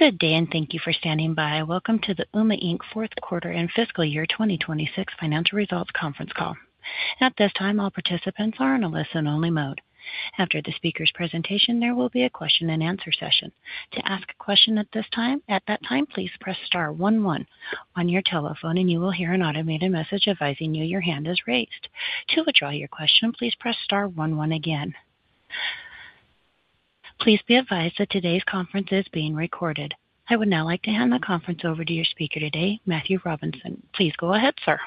Good day, and thank you for standing by. Welcome to the Ooma, Inc. fourth quarter and fiscal year 2026 financial results conference call. At this time, all participants are in a listen-only mode. After the speaker's presentation, there will be a question-and-answer session. To ask a question at that time, please press star one one on your telephone, and you will hear an automated message advising you your hand is raised. To withdraw your question, please press star one one again. Please be advised that today's conference is being recorded. I would now like to hand the conference over to your speaker today, Matthew Robison. Please go ahead, sir.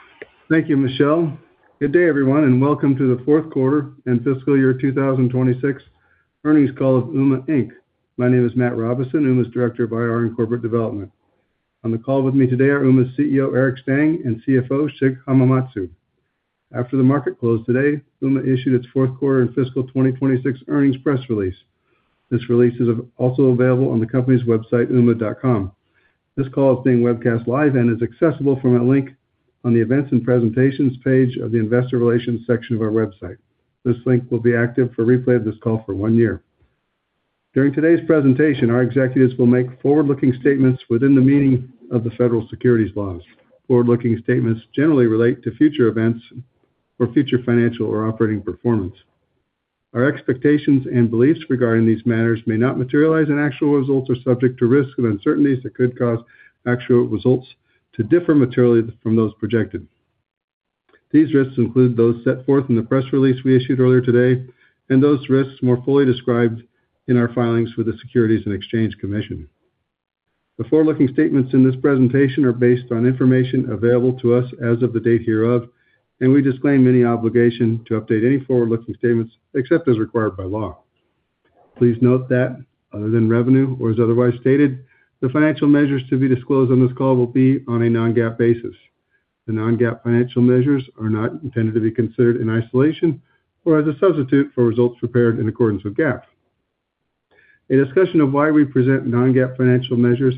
Thank you, Michelle. Good day, everyone, welcome to the Q4 and fiscal year 2026 earnings call of Ooma Inc. My name is Matt Robinson, Ooma's Director of IR and Corporate Development. On the call with me today are Ooma's CEO, Eric Stang, and CFO, Shig Hamamatsu. After the market closed today, Ooma issued its Q4 and fiscal 2026 earnings press release. This release is also available on the company's website, Ooma. This call is being webcast live and is accessible from a link on the Events and Presentations page of the Investor Relations section of our website. This link will be active for replay of this call for one year. During today's presentation, our executives will make forward-looking statements within the meaning of the federal securities laws. Forward-looking statements generally relate to future events or future financial or operating performance. Our expectations and beliefs regarding these matters may not materialize, and actual results are subject to risks and uncertainties that could cause actual results to differ materially from those projected. These risks include those set forth in the press release we issued earlier today and those risks more fully described in our filings with the Securities and Exchange Commission. The forward-looking statements in this presentation are based on information available to us as of the date hereof, and we disclaim any obligation to update any forward-looking statements except as required by law. Please note that other than revenue or as otherwise stated, the financial measures to be disclosed on this call will be on a non-GAAP basis. The non-GAAP financial measures are not intended to be considered in isolation or as a substitute for results prepared in accordance with GAAP. A discussion of why we present non-GAAP financial measures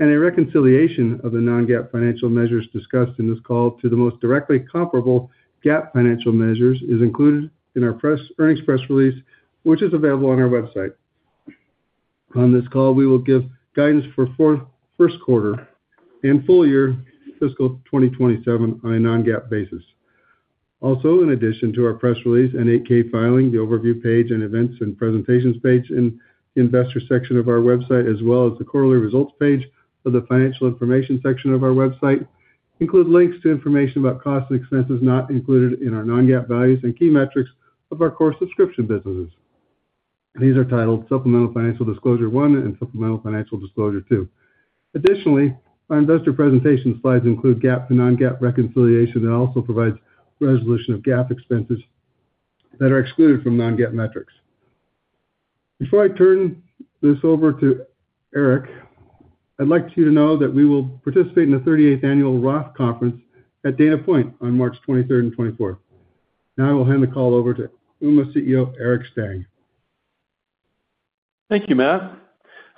and a reconciliation of the non-GAAP financial measures discussed in this call to the most directly comparable GAAP financial measures is included in our earnings press release, which is available on our website. On this call, we will give guidance for Q1 and full year fiscal 2027 on a non-GAAP basis. Also, in addition to our press release and 8-K filing, the Overview page and Events and Presentations page in the Investor section of our website, as well as the Quarterly Results page of the Financial Information section of our website include links to information about costs and expenses not included in our non-GAAP values and key metrics of our core subscription businesses. These are titled Supplemental Financial Disclosure One and Supplemental Financial Disclosure Two. Additionally, our investor presentation slides include GAAP and non-GAAP reconciliation and also provides resolution of GAAP expenses that are excluded from non-GAAP metrics. Before I turn this over to Eric, I'd like you to know that we will participate in the 38th annual Roth Conference at Dana Point on March 23rd and 24th. I will hand the call over to Ooma CEO, Eric Stang. Thank you, Matt.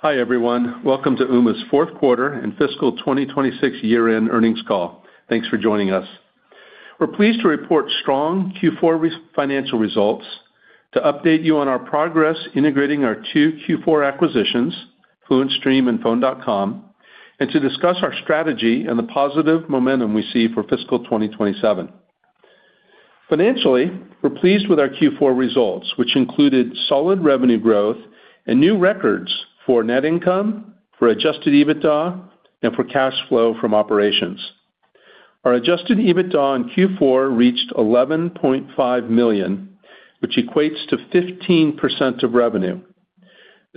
Hi, everyone. Welcome to Ooma's Q4 and fiscal 2026 year-end earnings call. Thanks for joining us. We're pleased to report strong Q4 financial results to update you on our progress integrating our two Q4 acquisitions, FluentStream and Phone.com, and to discuss our strategy and the positive momentum we see for fiscal 2027. Financially, we're pleased with our Q4 results, which included solid revenue growth and new records for net income, for adjusted EBITDA, and for cash flow from operations. Our adjusted EBITDA in Q4 reached $11.5 million, which equates to 15% of revenue.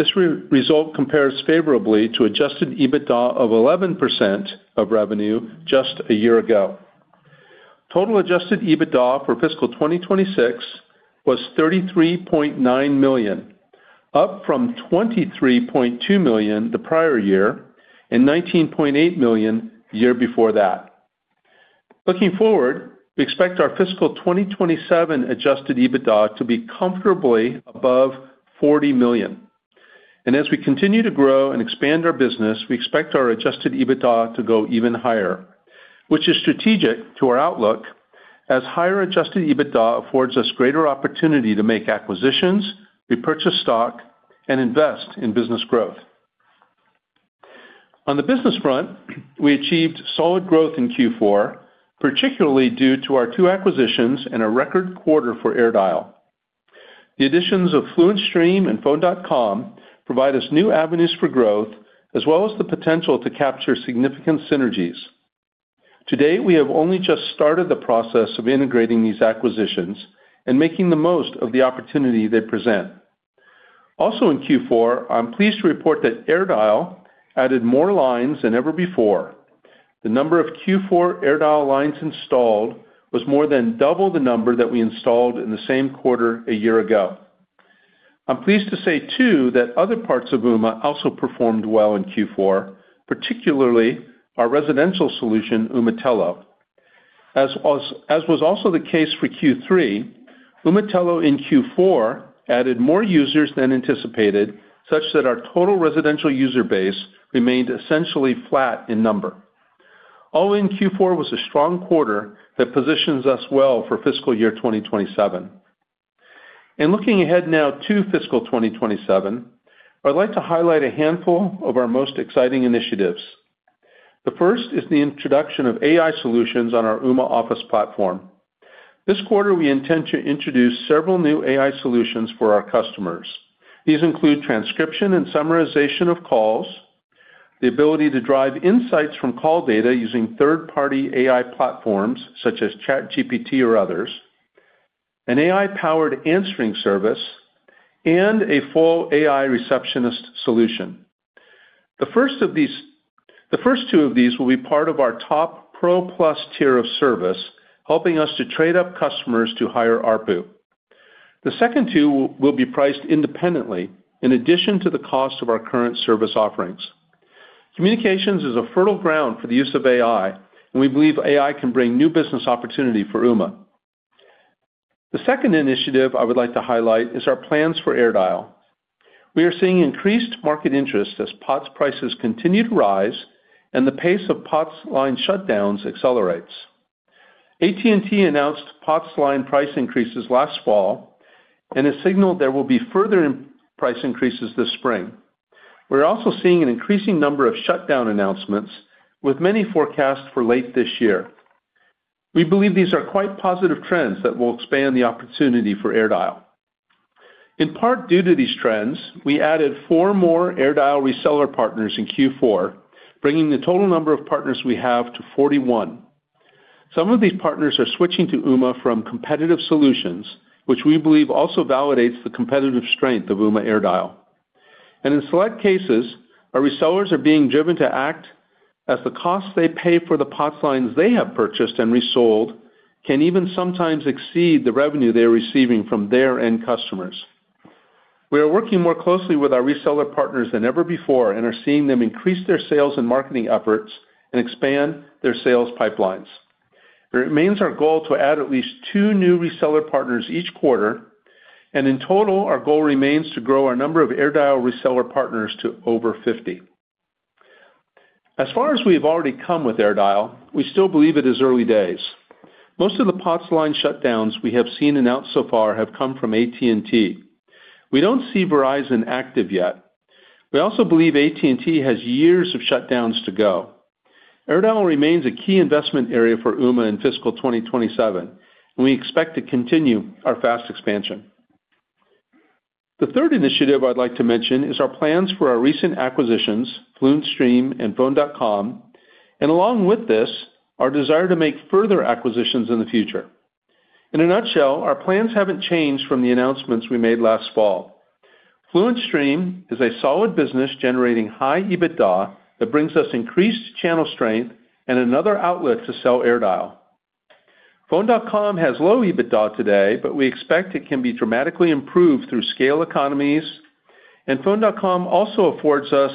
This result compares favorably to adjusted EBITDA of 11% of revenue just a year ago. Total adjusted EBITDA for fiscal 2026 was $33.9 million, up from $23.2 million the prior year and $19.8 million the year before that. Looking forward, we expect our fiscal 2027 adjusted EBITDA to be comfortably above $40 million. And as we continue to grow and expand our business, we expect our adjusted EBITDA to go even higher, which is strategic to our outlook, as higher adjusted EBITDA affords us greater opportunity to make acquisitions, repurchase stock, and invest in business growth. On the business front, we achieved solid growth in Q4, particularly due to our two acquisitions and a record quarter for AirDial. The additions of FluentStream and Phone.com provide us new avenues for growth, as well as the potential to capture significant synergies. To date, we have only just started the process of integrating these acquisitions and making the most of the opportunity they present. Also in Q4, I'm pleased to report that AirDial added more lines than ever before. The number of Q4 AirDial lines installed was more than double the number that we installed in the same quarter a year ago. I'm pleased to say, too, that other parts of Ooma also performed well in Q4, particularly our residential solution, Ooma Telo. As was also the case for Q3, Ooma Telo in Q4 added more users than anticipated, such that our total residential user base remained essentially flat in number. All in Q4 was a strong quarter that positions us well for fiscal year 2027. Looking ahead now to fiscal 2027, I'd like to highlight a handful of our most exciting initiatives. The first is the introduction of AI solutions on our Ooma Office platform. This quarter, we intend to introduce several new AI solutions for our customers. These include transcription and summarization of calls, the ability to drive insights from call data using third-party AI platforms such as ChatGPT or others, an AI-powered answering service, and a full AI receptionist solution. The first two of these will be part of our top Pro-plus tier of service, helping us to trade up customers to higher ARPU. The second two will be priced independently in addition to the cost of our current service offerings. Communications is a fertile ground for the use of AI, and we believe AI can bring new business opportunity for Ooma. The second initiative I would like to highlight is our plans for AirDial. We are seeing increased market interest as POTS prices continue to rise and the pace of POTS line shutdowns accelerates. AT&T announced POTS line price increases last fall and has signaled there will be further price increases this spring. We're also seeing an increasing number of shutdown announcements, with many forecasts for late this year. We believe these are quite positive trends that will expand the opportunity for AirDial. In part, due to these trends, we added four more AirDial reseller partners in Q4, bringing the total number of partners we have to 41. Some of these partners are switching to Ooma from competitive solutions, which we believe also validates the competitive strength of Ooma AirDial. In select cases, our resellers are being driven to act as the cost they pay for the POTS lines they have purchased and resold can even sometimes exceed the revenue they're receiving from their end customers. We are working more closely with our reseller partners than ever before and are seeing them increase their sales and marketing efforts and expand their sales pipelines. It remains our goal to add at least two new reseller partners each quarter, and in total, our goal remains to grow our number of AirDial reseller partners to over 50. As far as we have already come with AirDial, we still believe it is early days. Most of the POTS line shutdowns we have seen announced so far have come from AT&T. We don't see Verizon active yet. We also believe AT&T has years of shutdowns to go. AirDial remains a key investment area for Ooma in fiscal 2027, and we expect to continue our fast expansion. The third initiative I'd like to mention is our plans for our recent acquisitions, FluentStream and Phone.com, and along with this, our desire to make further acquisitions in the future. In a nutshell, our plans haven't changed from the announcements we made last fall. FluentStream is a solid business generating high EBITDA that brings us increased channel strength and another outlet to sell AirDial. Phone.com has low EBITDA today, but we expect it can be dramatically improved through scale economies, and Phone.com also affords us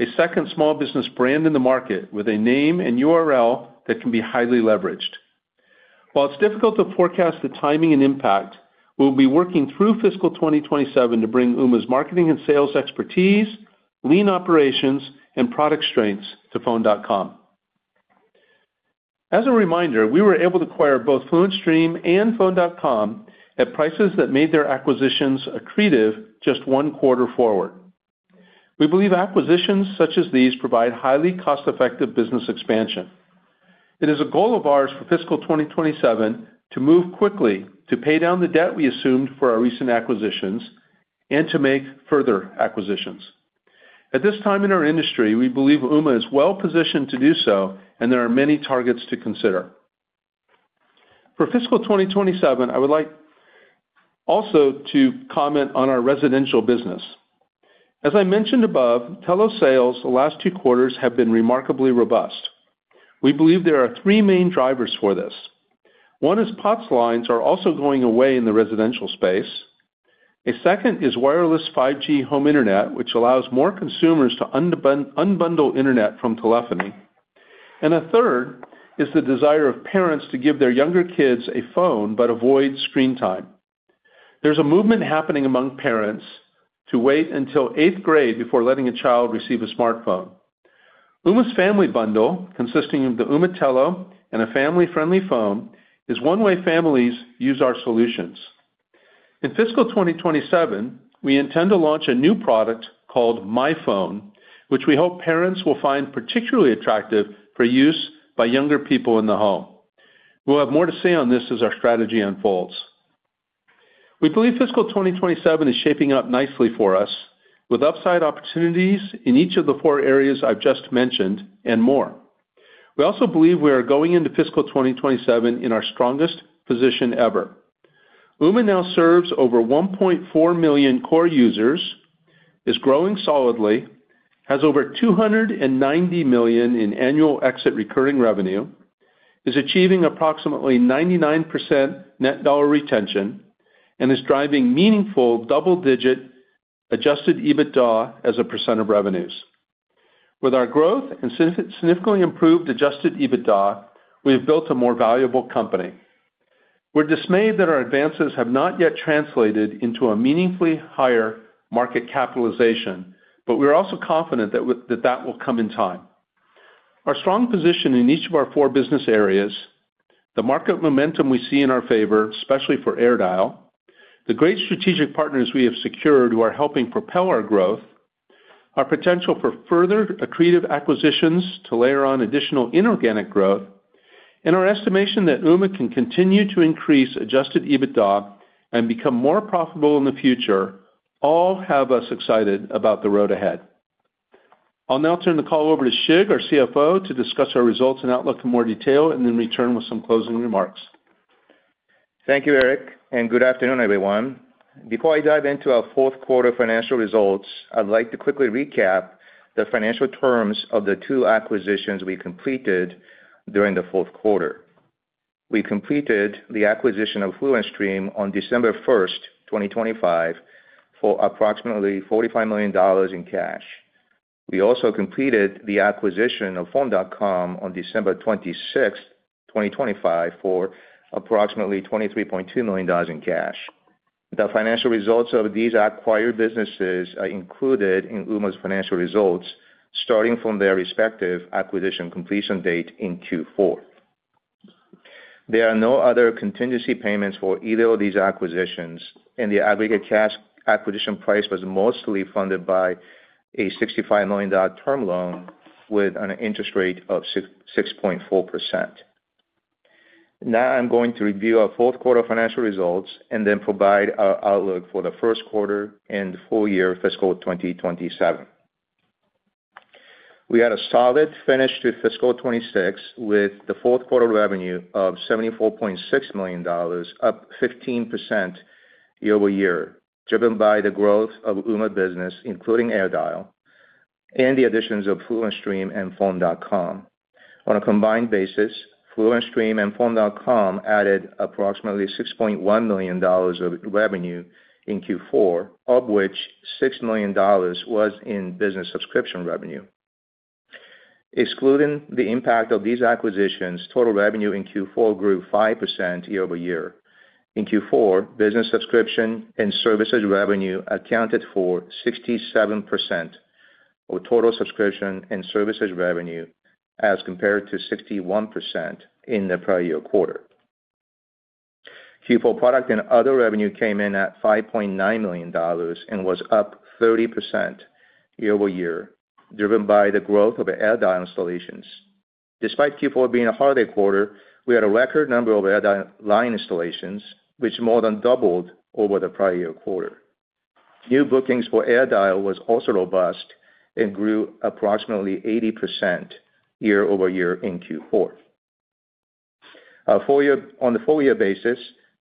a second small business brand in the market with a name and URL that can be highly leveraged. While it's difficult to forecast the timing and impact, we'll be working through fiscal 2027 to bring Ooma's marketing and sales expertise, lean operations, and product strengths to Phone.com. As a reminder, we were able to acquire both FluentStream and Phone.com at prices that made their acquisitions accretive just one quarter forward. We believe acquisitions such as these provide highly cost-effective business expansion. It is a goal of ours for fiscal 2027 to move quickly to pay down the debt we assumed for our recent acquisitions and to make further acquisitions. At this time in our industry, we believe Ooma is well-positioned to do so, and there are many targets to consider. For fiscal 2027, I would like also to comment on our residential business. As I mentioned above, Telo sales the last two quarters have been remarkably robust. We believe there are three main drivers for this. One is POTS lines are also going away in the residential space. A second is wireless 5G home internet, which allows more consumers to unbundle internet from telephony. A third is the desire of parents to give their younger kids a phone but avoid screen time. There's a movement happening among parents to wait until eighth grade before letting a child receive a smartphone. Ooma Family Bundle, consisting of the Ooma Telo and a family-friendly phone, is one way families use our solutions. In fiscal 2027, we intend to launch a new product called MyPhone, which we hope parents will find particularly attractive for use by younger people in the home. We'll have more to say on this as our strategy unfolds. We believe fiscal 2027 is shaping up nicely for us, with upside opportunities in each of the four areas I've just mentioned and more. We also believe we are going into fiscal 2027 in our strongest position ever. Ooma now serves over 1.4 million core users, is growing solidly, has over $290 million in annual exit recurring revenue, is achieving approximately 99% net dollar retention, and is driving meaningful double-digit adjusted EBITDA as a percent of revenues. With our growth and significantly improved adjusted EBITDA, we have built a more valuable company. We're dismayed that our advances have not yet translated into a meaningfully higher market capitalization, but we're also confident that that will come in time. Our strong position in each of our four business areas, the market momentum we see in our favor, especially for AirDial, the great strategic partners we have secured who are helping propel our growth, our potential for further accretive acquisitions to layer on additional inorganic growth, and our estimation that Ooma can continue to increase adjusted EBITDA and become more profitable in the future all have us excited about the road ahead. I'll now turn the call over to Shig, our CFO, to discuss our results and outlook in more detail and then return with some closing remarks. Thank you, Eric, and good afternoon, everyone. Before I dive into our Q4 financial results, I'd like to quickly recap the financial terms of the two acquisitions we completed during the Q4. We completed the acquisition of FluentStream on December 1st, 2025, for approximately $45 million in cash. We also completed the acquisition of Phone.com on December 26th, 2025, for approximately $23.2 million in cash. The financial results of these acquired businesses are included in Ooma's financial results starting from their respective acquisition completion date in Q4. There are no other contingency payments for either of these acquisitions, and the aggregate cash acquisition price was mostly funded by a $65 million term loan with an interest rate of 6.4%. I'm going to review our Q4 financial results and then provide our outlook for the Q1 and full year fiscal 2027. We had a solid finish to fiscal 2026, with the Q4 revenue of $74.6 million, up 15% year-over-year, driven by the growth of Ooma Business, including AirDial, and the additions of FluentStream and Phone.com. On a combined basis, FluentStream and Phone.com added approximately $6.1 million of revenue in Q4, of which $6 million was in business subscription revenue. Excluding the impact of these acquisitions, total revenue in Q4 grew 5% year-over-year. In Q4, business subscription and services revenue accounted for 67% of total subscription and services revenue as compared to 61% in the prior year quarter. Q4 product and other revenue came in at $5.9 million and was up 30% year-over-year, driven by the growth of AirDial installations. Despite Q4 being a holiday quarter, we had a record number of AirDial line installations, which more than doubled over the prior year quarter. New bookings for AirDial was also robust and grew approximately 80% year-over-year in Q4. On the full year basis,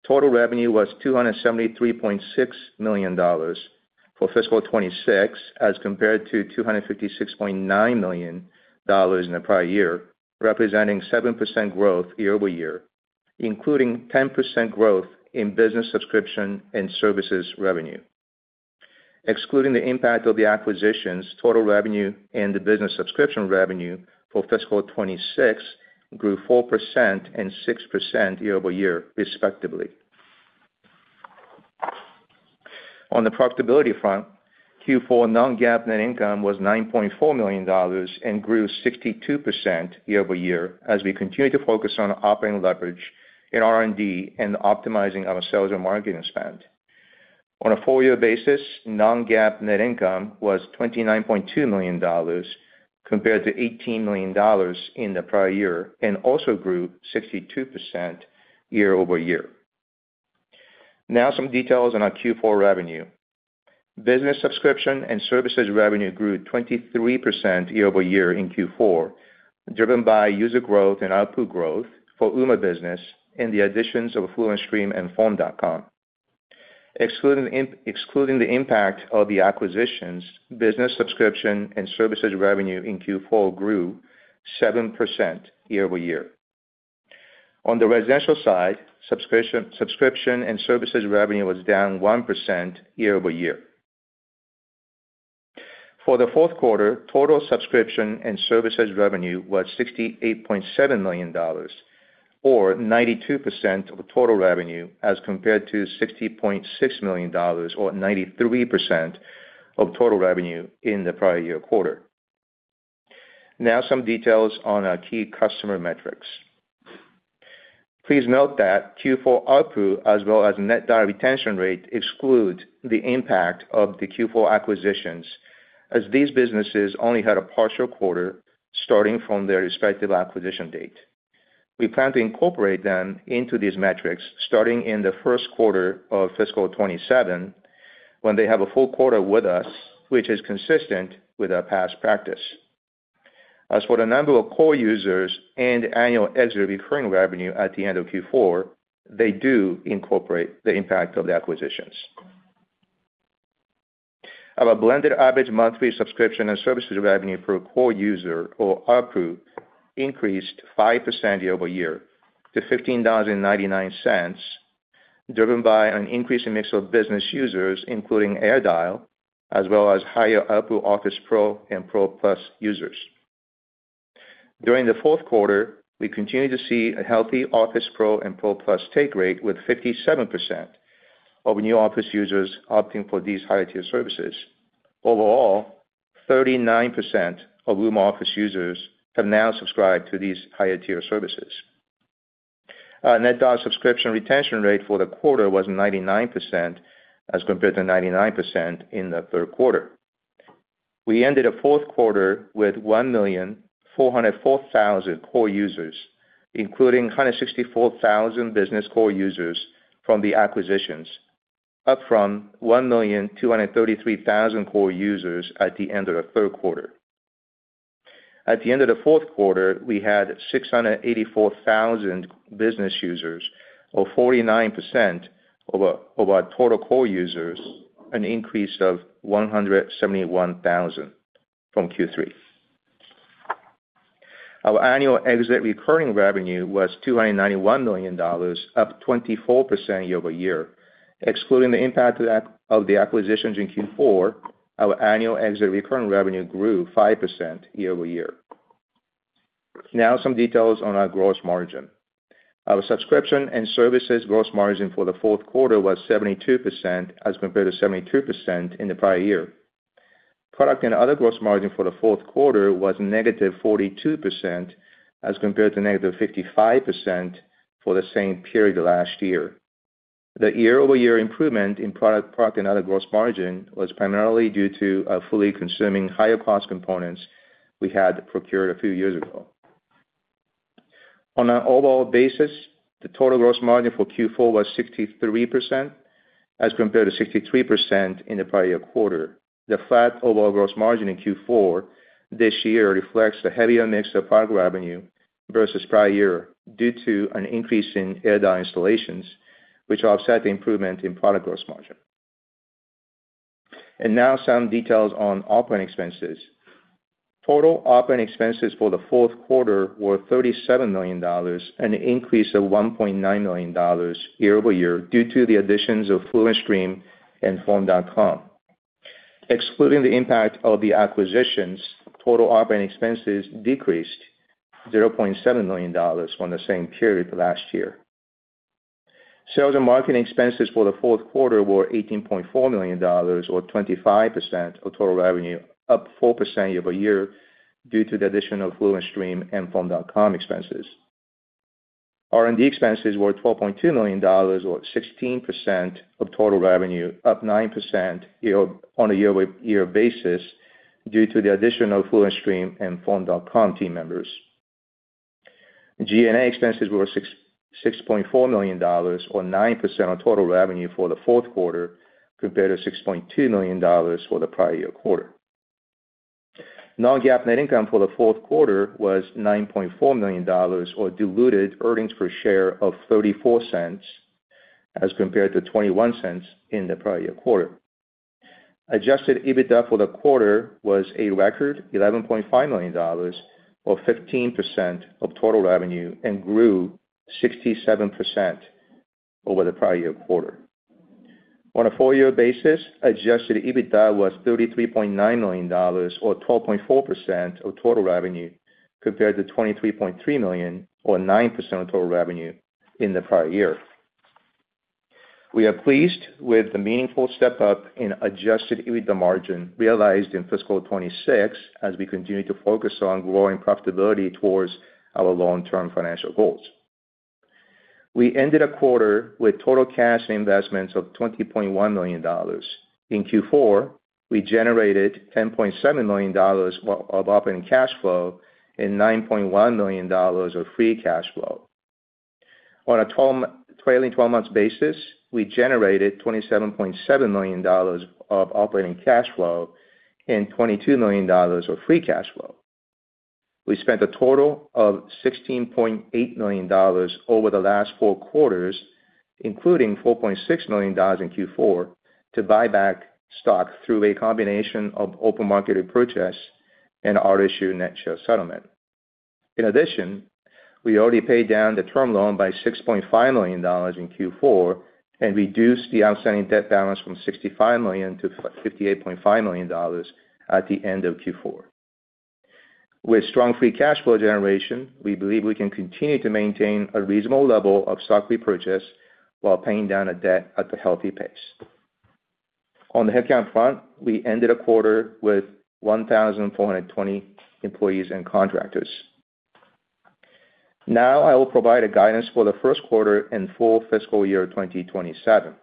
total revenue was $273.6 million for fiscal 2026 as compared to $256.9 million in the prior year, representing 7% growth year-over-year, including 10% growth in business subscription and services revenue. Excluding the impact of the acquisitions, total revenue and the business subscription revenue for fiscal 2026 grew 4% and 6% year-over-year, respectively. On the profitability front, Q4 non-GAAP net income was $9.4 million and grew 62% year-over-year as we continue to focus on operating leverage in R&D and optimizing our sales and marketing spend. On a full year basis, non-GAAP net income was $29.2 million compared to $18 million in the prior year and also grew 62% year-over-year. Some details on our Q4 revenue. Business subscription and services revenue grew 23% year-over-year in Q4, driven by user growth and ARPU growth for Ooma business and the additions of FluentStream and Phone.com. Excluding the impact of the acquisitions, business subscription and services revenue in Q4 grew 7% year-over-year. On the residential side, subscription and services revenue was down 1% year-over-year. For the Q4, total subscription and services revenue was $68.7 million or 92% of total revenue as compared to $60.6 million or 93% of total revenue in the prior year quarter. Some details on our key customer metrics. Please note that Q4 ARPU as well as net dollar retention rate excludes the impact of the Q4 acquisitions as these businesses only had a partial quarter starting from their respective acquisition date. We plan to incorporate them into these metrics starting in the Q1 of fiscal 2027 when they have a full quarter with us, which is consistent with our past practice. As for the number of core users and annual exit recurring revenue at the end of Q4, they do incorporate the impact of the acquisitions. Our blended average monthly subscription and services revenue per core user or ARPU increased 5% year-over-year to $15.99, driven by an increasing mix of business users, including AirDial, as well as higher ARPU Office Pro and Pro Plus users. During the Q4, we continued to see a healthy Office Pro and Pro Plus take rate with 57% of new Ooma Office users opting for these higher-tier services. Overall, 39% of Ooma Office users have now subscribed to these higher-tier services. Our net dollar subscription retention rate for the quarter was 99% as compared to 99% in the Q3. We ended the Q4 with 1,404,000 core users, including 164,000 business core users from the acquisitions, up from 1,233,000 core users at the end of the Q3. At the end of the fourth quarter, we had 684,000 business users or 49% of our total core users, an increase of 171,000 from Q3. Our annual exit recurring revenue was $291 million, up 24% year-over-year. Excluding the impact of the acquisitions in Q4, our annual exit recurring revenue grew 5% year-over-year. Some details on our gross margin. Our subscription and services gross margin for the Q4 was 72% as compared to 72% in the prior year. Product and other gross margin for the fourth quarter was -42% as compared to -55% for the same period last year. The year-over-year improvement in product and other gross margin was primarily due to fully consuming higher cost components we had procured a few years ago. On an overall basis, the total gross margin for Q4 was 63% as compared to 63% in the prior year quarter. The flat overall gross margin in Q4 this year reflects the heavier mix of product revenue versus prior year due to an increase in AirDial installations, which offset the improvement in product gross margin. Now some details on operating expenses. Total operating expenses for the Q4 were $37 million, an increase of $1.9 million year-over-year due to the additions of FluentStream and Phone.com. Excluding the impact of the acquisitions, total operating expenses decreased $0.7 million from the same period last year. Sales and marketing expenses for the Q4 were $18.4 million or 25% of total revenue, up 4% year-over-year due to the addition of FluentStream and Phone.com expenses. R&D expenses were $12.2 million or 16% of total revenue, up 9% on a year-over-year basis due to the addition of FluentStream and Phone.com team members. G&A expenses were $6.4 million or 9% of total revenue for the Q4, compared to $6.2 million for the prior year quarter. non-GAAP net income for the Q4 was $9.4 million or diluted earnings per share of $0.34 as compared to $0.21 in the prior year quarter. Adjusted EBITDA for the quarter was a record $11.5 million or 15% of total revenue and grew 67% over the prior year quarter. On a full year basis, adjusted EBITDA was $33.9 million or 12.4% of total revenue, compared to $23.3 million or 9% of total revenue in the prior year. We are pleased with the meaningful step up in adjusted EBITDA margin realized in fiscal 2026 as we continue to focus on growing profitability towards our long-term financial goals. We ended the quarter with total cash investments of $20.1 million. In Q4, we generated $10.7 million of operating cash flow and $9.1 million of free cash flow. On a trailing 12 months basis, we generated $27.7 million of operating cash flow and $22 million of free cash flow. We spent a total of $16.8 million over the last four quarters, including $4.6 million in Q4, to buy back stock through a combination of open market repurchase and our issue net share settlement. In addition, we already paid down the term loan by $6.5 million in Q4 and reduced the outstanding debt balance from $65 million - $58.5 million at the end of Q4. With strong free cash flow generation, we believe we can continue to maintain a reasonable level of stock repurchase while paying down our debt at a healthy pace. On the headcount front, we ended the quarter with 1,420 employees and contractors. Now I will provide a guidance for the Q1 and full fiscal year 2027.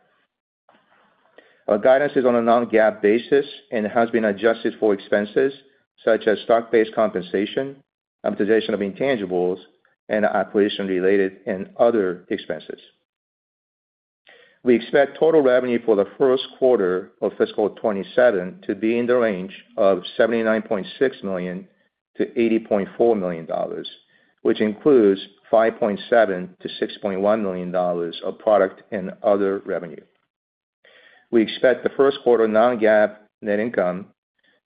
Our guidance is on a non-GAAP basis and has been adjusted for expenses such as stock-based compensation, amortization of intangibles, and acquisition-related and other expenses. We expect total revenue for the Q1 of fiscal 2027 to be in the range of $79.6 million-$80.4 million, which includes $5.7 million-$6.1 million of product and other revenue. We expect the Q1 non-GAAP net income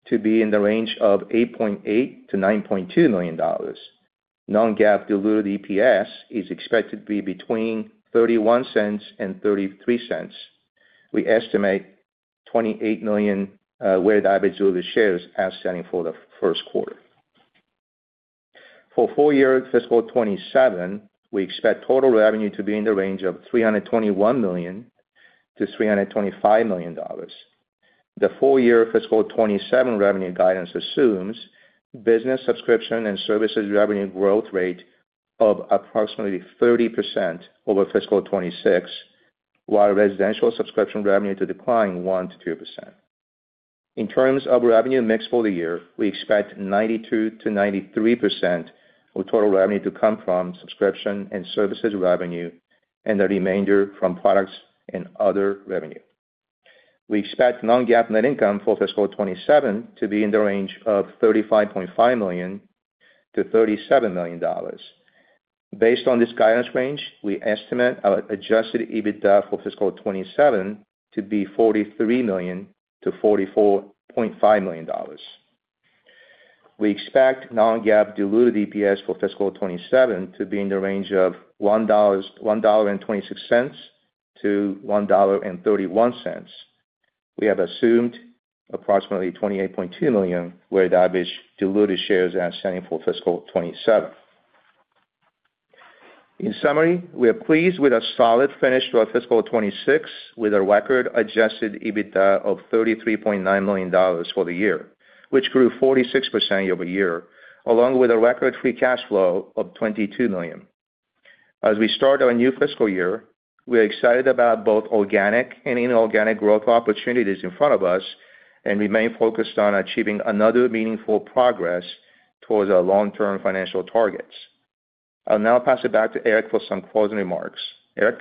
to be in the range of $8.8 million-$9.2 million. Non-GAAP diluted EPS is expected to be between $0.31 and $0.33. We estimate 28 million weighted average diluted shares outstanding for the Q1. For full year fiscal 2027, we expect total revenue to be in the range of $321 million-$325 million. The full year fiscal 2027 revenue guidance assumes business subscription and services revenue growth rate of approximately 30% over fiscal 2026, while residential subscription revenue to decline 1%-2%. In terms of revenue mix for the year, we expect 92%-93% of total revenue to come from subscription and services revenue and the remainder from products and other revenue. We expect non-GAAP net income for fiscal 2027 to be in the range of $35.5 million-$37 million. Based on this guidance range, we estimate our adjusted EBITDA for fiscal 2027 to be $43 million-$44.5 million. We expect non-GAAP diluted EPS for fiscal 2027 to be in the range of $1.26-$1.31. We have assumed approximately 28.2 million weighted average diluted shares outstanding for fiscal 2027. In summary, we are pleased with a solid finish to our fiscal 2026 with a record adjusted EBITDA of $33.9 million for the year, which grew 46% year-over-year, along with a record free cash flow of $22 million. As we start our new fiscal year, we are excited about both organic and inorganic growth opportunities in front of us and remain focused on achieving another meaningful progress towards our long-term financial targets. I'll now pass it back to Eric for some closing remarks. Eric?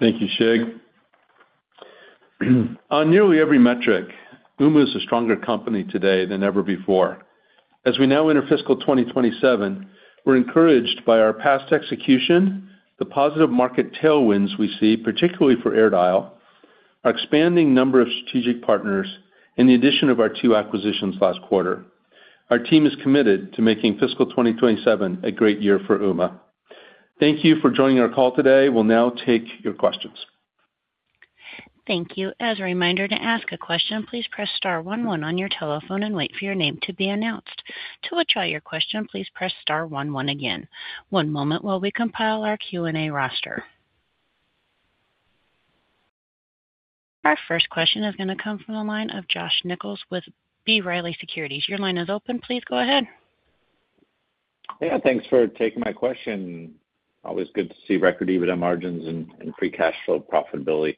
Thank you, Shig. On nearly every metric, Ooma is a stronger company today than ever before. As we now enter fiscal 2027, we're encouraged by our past execution, the positive market tailwinds we see, particularly for AirDial, our expanding number of strategic partners, and the addition of our two acquisitions last quarter. Our team is committed to making fiscal 2027 a great year for Ooma. Thank you for joining our call today. We'll now take your questions. Thank you. As a reminder to ask a question, please press star one one on your telephone and wait for your name to be announced. To withdraw your question, please press star one one again. One moment while we compile our Q&A roster. Our first question is gonna come from the line of Josh Nichols with B. Riley Securities. Your line is open. Please go ahead. Yeah, thanks for taking my question. Always good to see record EBITDA margins and free cash flow profitability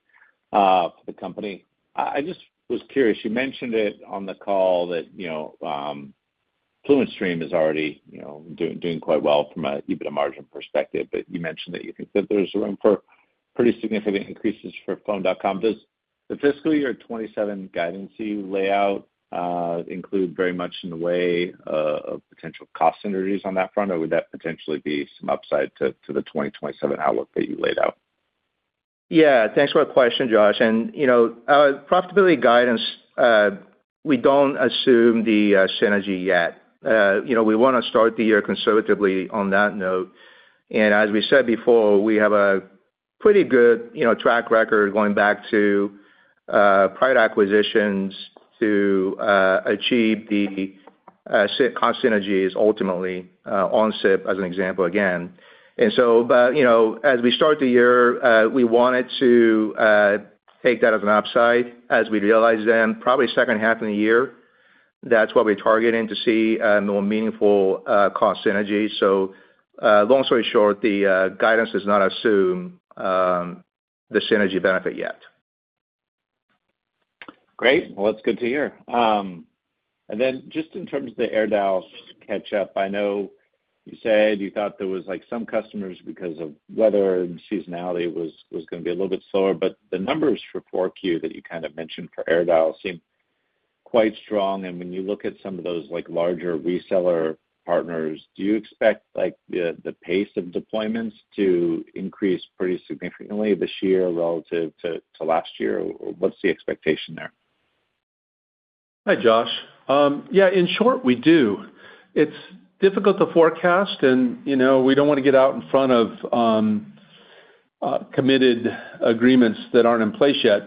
for the company. I just was curious, you mentioned it on the call that, you know, FluentStream is already, you know, doing quite well from a EBITDA margin perspective, but you mentioned that you think that there's room for pretty significant increases for Phone.com. Does the fiscal year 2027 guidance you lay out include very much in the way of potential cost synergies on that front? Would that potentially be some upside to the 2020-2027 outlook that you laid out? Yeah, thanks for that question, Josh. You know, profitability guidance, we don't assume the synergy yet. You know, we wanna start the year conservatively on that note. As we said before, we have a pretty good, you know, track record going back to prior acquisitions to achieve the cost synergies ultimately, on SIP as an example again. You know, as we start the year, we wanted to take that as an upside as we realize then probably second half of the year that's what we're targeting to see more meaningful cost synergy. Long story short, the guidance does not assume the synergy benefit yet. Great. Well, that's good to hear. Just in terms of the AirDial catch up, I know you said you thought there was like some customers because of weather and seasonality was gonna be a little bit slower, but the numbers for 4Q that you kind of mentioned for AirDial seem quite strong. When you look at some of those like larger reseller partners, do you expect like the pace of deployments to increase pretty significantly this year relative to last year? Or what's the expectation there? Hi, Josh. Yeah, in short, we do. It's difficult to forecast and, you know, we don't wanna get out in front of committed agreements that aren't in place yet.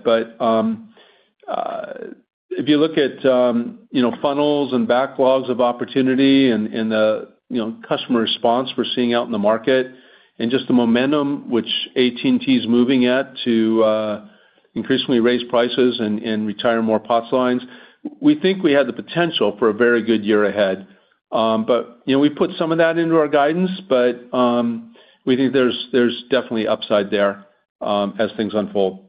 If you look at, you know, funnels and backlogs of opportunity and the, you know, customer response we're seeing out in the market and just the momentum which AT&T is moving at to increasingly raise prices and retire more POTS lines, we think we have the potential for a very good year ahead. You know, we put some of that into our guidance, but we think there's definitely upside there as things unfold.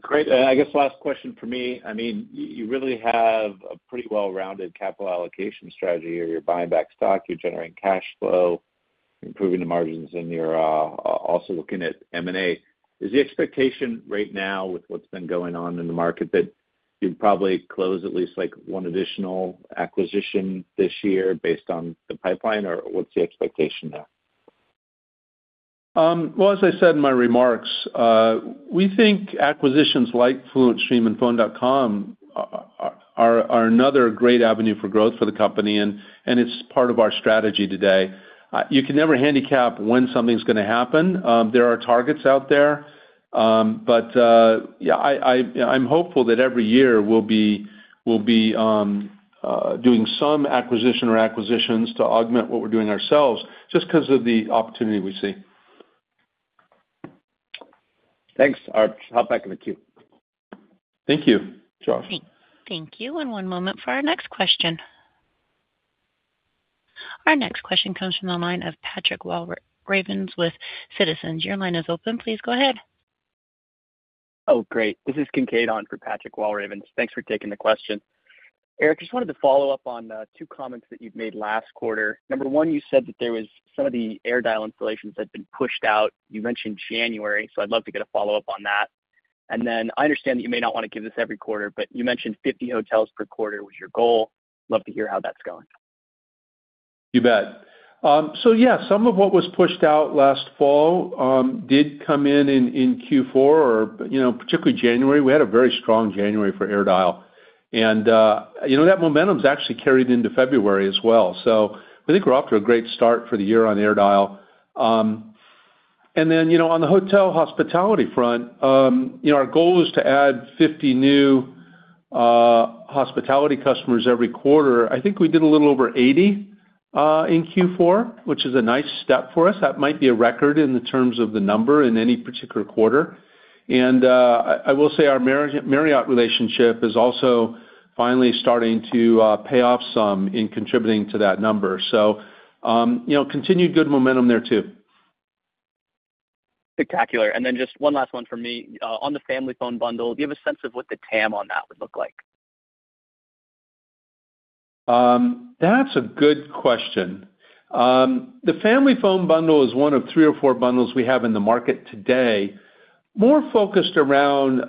Great. I guess last question for me, I mean, you really have a pretty well-rounded capital allocation strategy here. You're buying back stock. You're generating cash flow. You're improving the margins, and you're also looking at M&A. Is the expectation right now with what's been going on in the market that you'd probably close at least like one additional acquisition this year based on the pipeline, or what's the expectation there? Well, as I said in my remarks, we think acquisitions like FluentStream and Phone.com are another great avenue for growth for the company and it's part of our strategy today. You can never handicap when something's gonna happen. There are targets out there. Yeah, I, you know, I'm hopeful that every year we'll be doing some acquisition or acquisitions to augment what we're doing ourselves just 'cause of the opportunity we see. Thanks, Josh. Hop back in the queue. Thank you, Charles. Thank you, and one moment for our next question. Our next question comes from the line of Patrick Walravens with Citizens. Your line is open. Please go ahead. Oh, great. This is Kincaid on for Patrick Walravens. Thanks for taking the question. Eric, just wanted to follow up on two comments that you've made last quarter. Number one, you said that there was some of the AirDial installations had been pushed out. You mentioned January, so I'd love to get a follow-up on that. I understand that you may not wanna give this every quarter, but you mentioned 50 hotels per quarter was your goal. Love to hear how that's going. You bet. Yeah, some of what was pushed out last fall did come in in Q4 or, you know, particularly January. We had a very strong January for AirDial. You know, that momentum's actually carried into February as well. I think we're off to a great start for the year on AirDial. You know, on the hotel hospitality front, you know, our goal was to add 50 new hospitality customers every quarter. I think we did a little over 80 in Q4, which is a nice step for us. That might be a record in the terms of the number in any particular quarter. I will say our Marriott relationship is also finally starting to pay off some in contributing to that number. You know, continued good momentum there too. Spectacular. Just one last one from me. On the Family Phone Bundle, do you have a sense of what the TAM on that would look like? That's a good question. The Ooma Family Bundle is one of three or four bundles we have in the market today, more focused around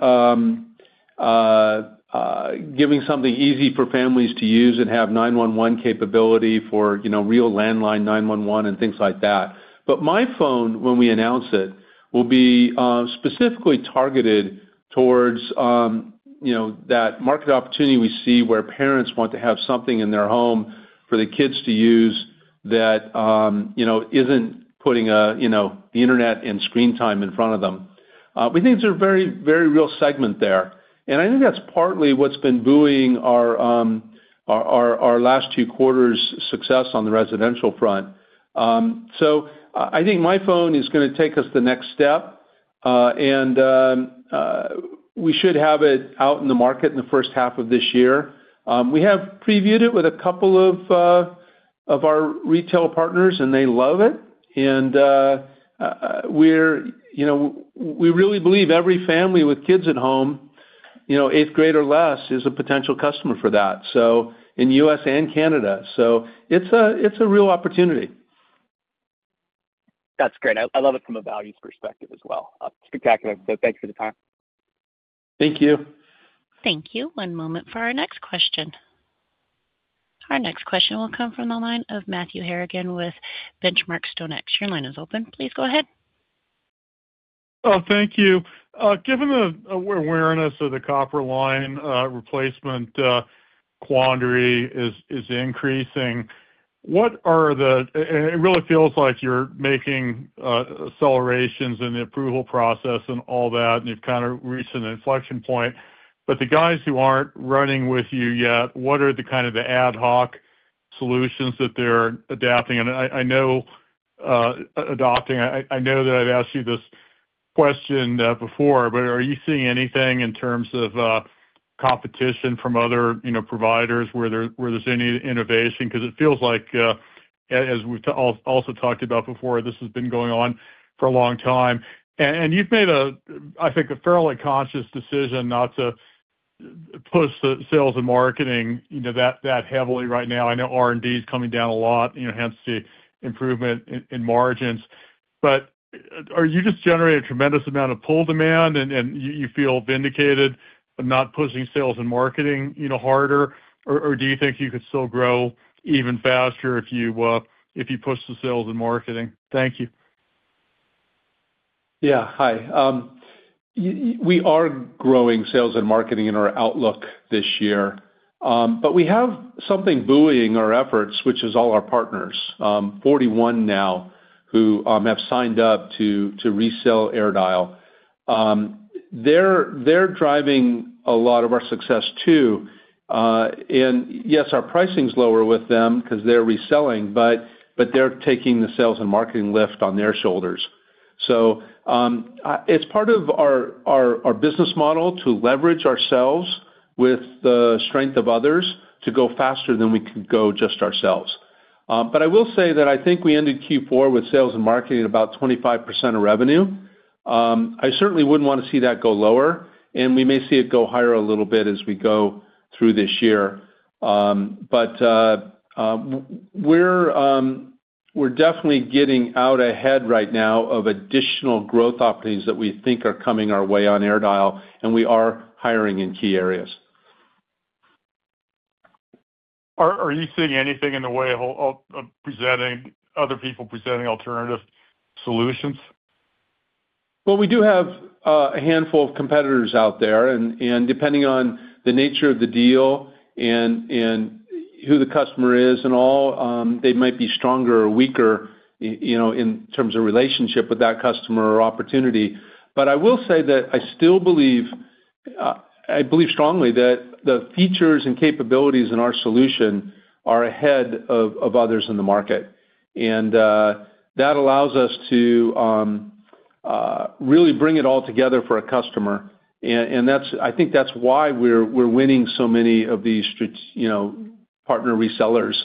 giving something easy for families to use and have 911 capability for, you know, real landline 911 and things like that. MyPhone, when we announce it, will be specifically targeted towards, you know, that market opportunity we see where parents want to have something in their home for the kids to use that, you know, isn't putting a, you know, internet and screen time in front of them. We think it's a very real segment there, and I think that's partly what's been buoying our last two quarters success on the residential front. I think MyPhone is gonna take us the next step, we should have it out in the market in the first half of this year. We have previewed it with a couple of our retail partners, and they love it. We're, you know, we really believe every family with kids at home, you know, eighth grade or less, is a potential customer for that, so in U.S. and Canada. It's a real opportunity. That's great. I love it from a values perspective as well. Spectacular. Thanks for the time. Thank you. Thank you. One moment for our next question. Our next question will come from the line of Matthew Harrigan with The Benchmark Company. Your line is open. Please go ahead. Oh, thank you. Given the awareness of the copper line replacement quandary is increasing, what are the? It really feels like you're making accelerations in the approval process and all that, and you've kind of reached an inflection point. But the guys who aren't running with you yet, what are the kind of the ad hoc solutions that they're adapting? I know, adopting. I know that I've asked you this question before, but are you seeing anything in terms of competition from other, you know, providers where there's any innovation? It feels like, as we've also talked about before, this has been going on for a long time. You've made a, I think, a fairly conscious decision not to push the sales and marketing, you know, that heavily right now. I know R&D is coming down a lot, you know, hence the improvement in margins. Are you just generating a tremendous amount of pull demand and you feel vindicated by not pushing sales and marketing, you know, harder? Do you think you could still grow even faster if you push the sales and marketing? Thank you. Hi. We are growing sales and marketing in our outlook this year, but we have something buoying our efforts, which is all our partners, 41 now, who have signed up to resell AirDial. They're driving a lot of our success too. Yes, our pricing's lower with them 'cause they're reselling, but they're taking the sales and marketing lift on their shoulders. It's part of our business model to leverage ourselves with the strength of others to go faster than we could go just ourselves. I will say that I think we ended Q4 with sales and marketing at about 25% of revenue. I certainly wouldn't wanna see that go lower, and we may see it go higher a little bit as we go through this year. We're definitely getting out ahead right now of additional growth opportunities that we think are coming our way on AirDial, and we are hiring in key areas. Are you seeing anything in the way of other people presenting alternative solutions? We do have a handful of competitors out there, and who the customer is and all, they might be stronger or weaker in, you know, in terms of relationship with that customer or opportunity. I will say that I still believe I believe strongly that the features and capabilities in our solution are ahead of others in the market. that allows us to really bring it all together for a customer. that's I think that's why we're winning so many of these you know, partner resellers,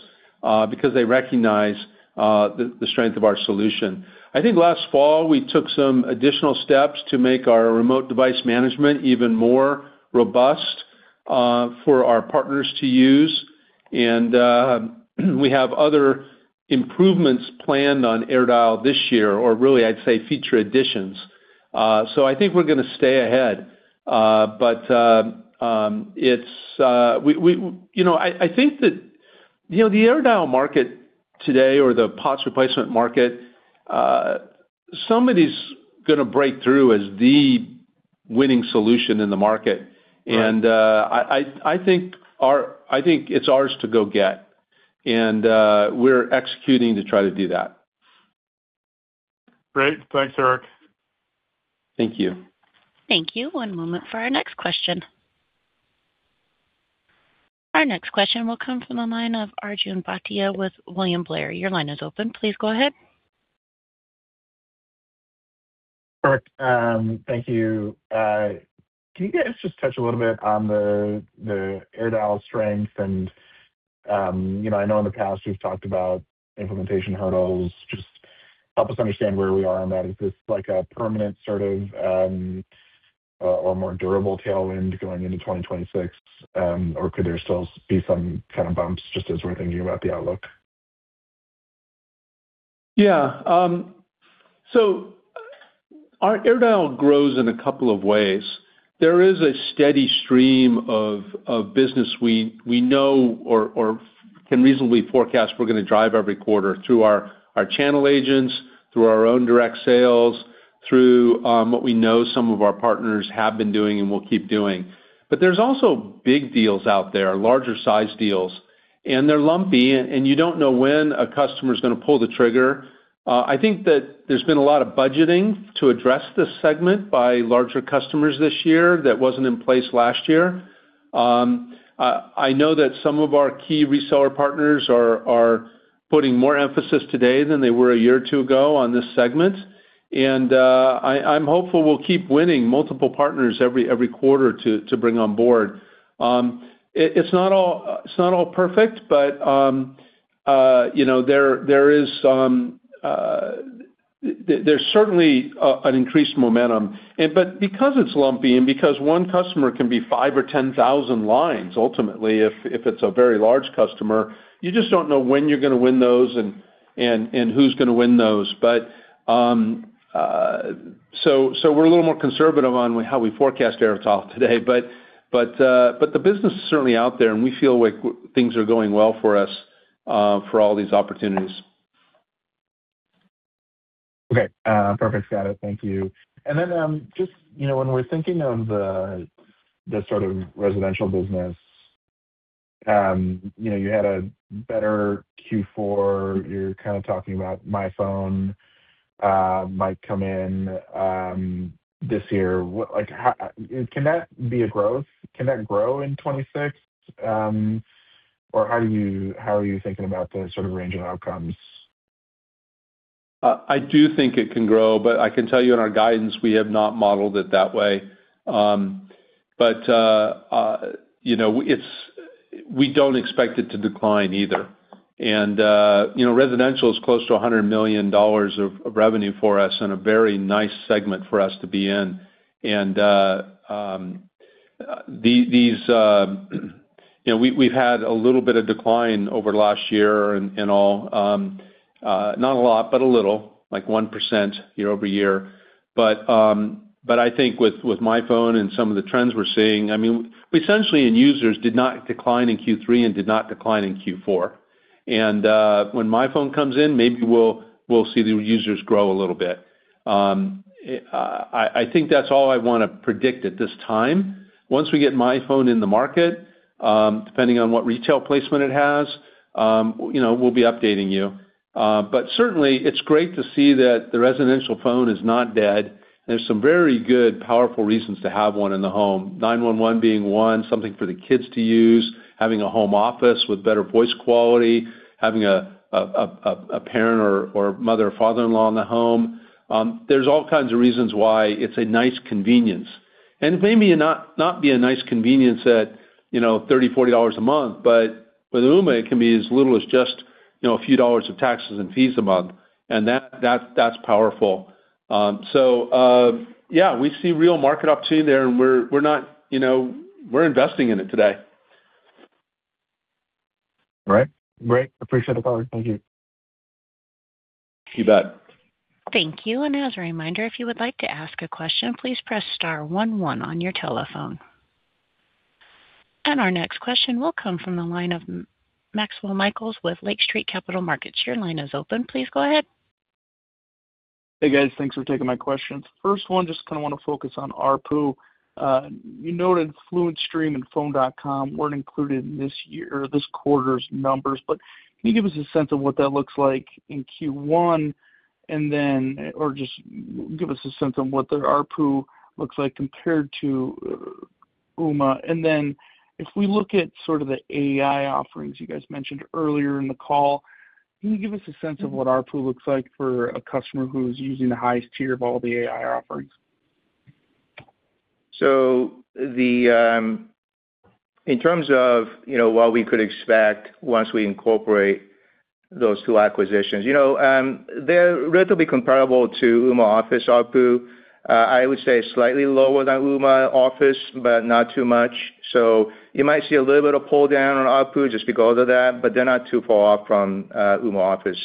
because they recognize the strength of our solution. I think last fall, we took some additional steps to make our remote device management even more robust for our partners to use. We have other improvements planned on AirDial this year, or really, I'd say feature additions. I think we're gonna stay ahead. It's, you know, I think that, you know, the AirDial market today or the POTS replacement market, somebody's gonna break through as the winning solution in the market. Right. I think it's ours to go get, and we're executing to try to do that. Great. Thanks, Eric. Thank you. Thank you. One moment for our next question. Our next question will come from the line of Arjun Bhatia with William Blair. Your line is open. Please go ahead. Eric, thank you. Can you guys just touch a little bit on the AirDial strength and, you know, I know in the past you've talked about implementation hurdles. Just help us understand where we are on that. Is this like a permanent sort of, or more durable tailwind going into 2026, or could there still be some kind of bumps just as we're thinking about the outlook? Yeah. Our AirDial grows in a couple of ways. There is a steady stream of business we know or can reasonably forecast we're gonna drive every quarter through our channel agents, through our own direct sales, through what we know some of our partners have been doing and will keep doing. There's also big deals out there, larger size deals, and they're lumpy and you don't know when a customer's gonna pull the trigger. I think that there's been a lot of budgeting to address this segment by larger customers this year that wasn't in place last year. I know that some of our key reseller partners are putting more emphasis today than they were one year or two ago on this segment. I'm hopeful we'll keep winning multiple partners every quarter to bring on board. It's not all perfect, you know, there is some, there's certainly an increased momentum. Because it's lumpy and because one customer can be 5,000 or 10,000 lines, ultimately, if it's a very large customer, you just don't know when you're gonna win those and who's gonna win those. So we're a little more conservative on how we forecast AirDial today. But the business is certainly out there, and we feel like things are going well for us for all these opportunities. Okay. Perfect. Got it. Thank you. Then, just, you know, when we're thinking of the sort of residential business, you know, you had a better Q4. You're kind of talking about MyPhone, might come in, this year. Can that be a growth? Can that grow in 2026, or how are you thinking about the sort of range of outcomes? I do think it can grow, but I can tell you in our guidance, we have not modeled it that way. But, you know, we don't expect it to decline either. You know, residential is close to $100 million of revenue for us and a very nice segment for us to be in. You know, we've had a little bit of decline over last year and all. Not a lot, but a little, like 1% year-over-year. But I think with MyPhone and some of the trends we're seeing, I mean, we essentially end users did not decline in Q3 and did not decline in Q4. When MyPhone comes in, maybe we'll see the users grow a little bit. I think that's all I wanna predict at this time. Once we get MyPhone in the market, depending on what retail placement it has, you know, we'll be updating you. Certainly it's great to see that the residential phone is not dead. There's some very good, powerful reasons to have one in the home. 911 being one, something for the kids to use, having a home office with better voice quality, having a parent or mother or father-in-law in the home. There's all kinds of reasons why it's a nice convenience. It may be not be a nice convenience at, you know, $30, $40 a month, but with Ooma, it can be as little as just, you know, a few dollars of taxes and fees a month. That's powerful. Yeah, we see real market opportunity there, and we're not, you know. We're investing in it today. Great. Appreciate the call. Thank you. You bet. Thank you. As a reminder, if you would like to ask a question, please press star one one on your telephone. Our next question will come from the line of Maxwell Michaelis with Lake Street Capital Markets. Your line is open. Please go ahead. Hey guys, thanks for taking my questions. First one, just kinda wanna focus on ARPU. You noted Fluent Stream and Phone.com weren't included in this quarter's numbers, but can you give us a sense of what that looks like in Q1? Just give us a sense on what their ARPU looks like compared to Ooma. If we look at sort of the AI offerings you guys mentioned earlier in the call, can you give us a sense of what ARPU looks like for a customer who's using the highest tier of all the AI offerings? In terms of, you know, what we could expect once we incorporate those two acquisitions, you know, they're relatively comparable to Ooma Office ARPU. I would say slightly lower than Ooma Office, but not too much. You might see a little bit of pull down on ARPU just because of that, but they're not too far off from Ooma Office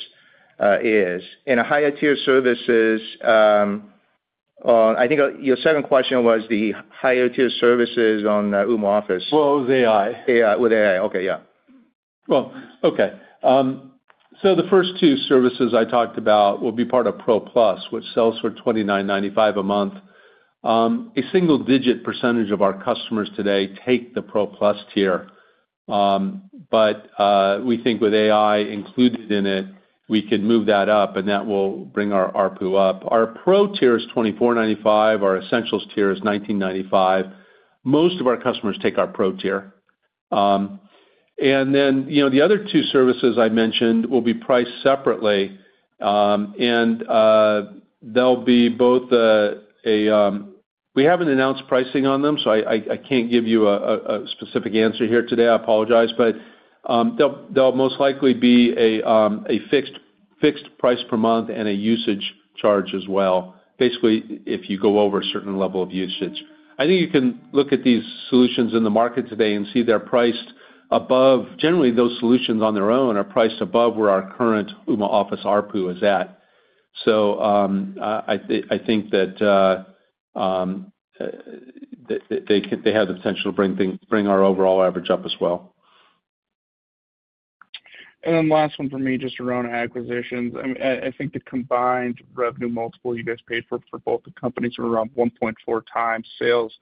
is. In a higher tier services, I think your second question was the higher tier services on Ooma Office. Well, it was AI. AI. With AI, okay. Yeah. Well, okay. The first two services I talked about will be part of Pro Plus, which sells for $29.95 a month. A single digit % of our customers today take the Pro Plus tier. We think with AI included in it, we can move that up, and that will bring our ARPU up. Our Pro tier is $24.95. Our Essentials tier is $19.95. Most of our customers take our Pro tier. You know, the other two services I mentioned will be priced separately. We haven't announced pricing on them, so I can't give you a specific answer here today, I apologize. They'll most likely be a fixed price per month and a usage charge as well, basically if you go over a certain level of usage. I think you can look at these solutions in the market today and see they're priced above. Generally, those solutions on their own are priced above where our current Ooma Office ARPU is at. I think they have the potential to bring things, bring our overall average up as well. Last one for me, just around acquisitions. I think the combined revenue multiple you guys paid for both the companies were around 1.4x sales.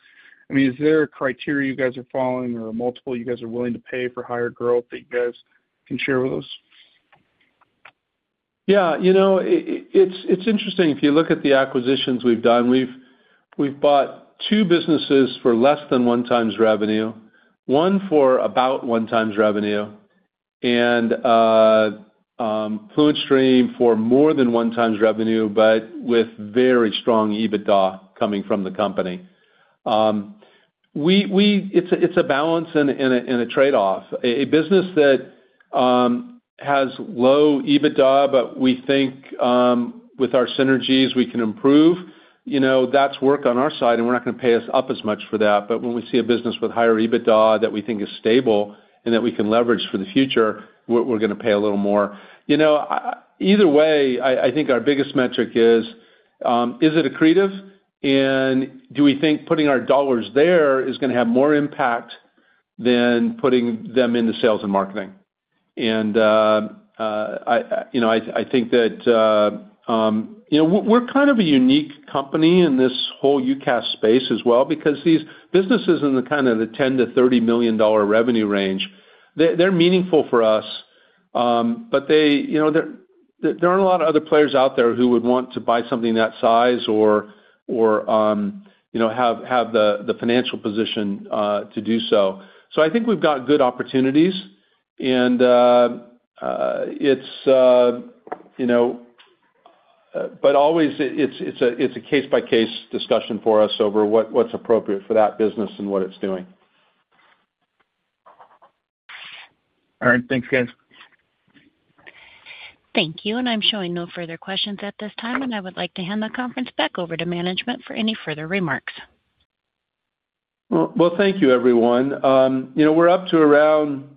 I mean, is there a criteria you guys are following or a multiple you guys are willing to pay for higher growth that you guys can share with us? Yeah, you know, it's interesting, if you look at the acquisitions we've done, we've bought two businesses for less than 1x revenue, one for about 1x revenue and FluentStream for more than 1x revenue, but with very strong EBITDA coming from the company. It's a balance and a trade-off. A business that has low EBITDA, but we think, with our synergies, we can improve, you know, that's work on our side, and we're not gonna pay as up as much for that. When we see a business with higher EBITDA that we think is stable and that we can leverage for the future, we're gonna pay a little more. You know, either way, I think our biggest metric is it accretive? Do we think putting our dollars there is gonna have more impact than putting them into sales and marketing? I, you know, I think that, you know, we're kind of a unique company in this whole UCaaS space as well because these businesses in the kind of the $10 million-$30 million revenue range, they're meaningful for us, but they, you know, there aren't a lot of other players out there who would want to buy something that size or, you know, have the financial position to do so. I think we've got good opportunities and it's, you know. Always it's a case-by-case discussion for us over what's appropriate for that business and what it's doing. All right. Thanks, guys. Thank you. I'm showing no further questions at this time, and I would like to hand the conference back over to management for any further remarks. Well, thank you, everyone. you know, we're up to around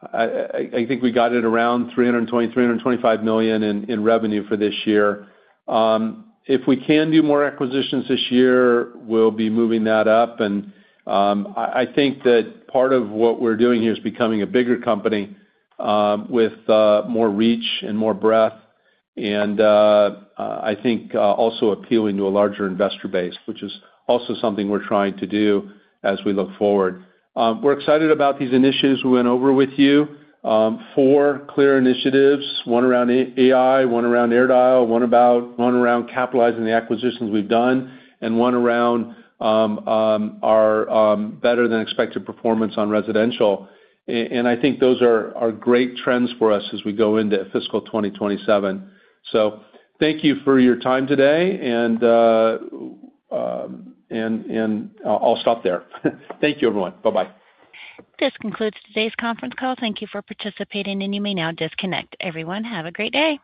I think we got it around $320 million-$325 million in revenue for this year. If we can do more acquisitions this year, we'll be moving that up. I think that part of what we're doing here is becoming a bigger company, with more reach and more breadth and I think also appealing to a larger investor base, which is also something we're trying to do as we look forward. We're excited about these initiatives we went over with you. Four clear initiatives, one around AI, one around AirDial, one around capitalizing the acquisitions we've done, and one around our better than expected performance on residential. I think those are great trends for us as we go into fiscal 2027. Thank you for your time today and I'll stop there. Thank you, everyone. Bye-bye. This concludes today's conference call. Thank you for participating, and you may now disconnect. Everyone, have a great day.